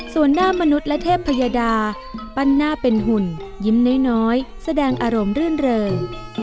ส่วนหน้ามนุษย์และเทพพยดาปั้นหน้าเป็นหุ่นยิ้มน้อยแสดงอารมณ์รื่นเริง